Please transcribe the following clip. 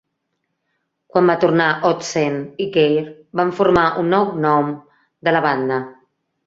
Quan va tornar, Ottesen i Geir van formar un nou gnom de la banda.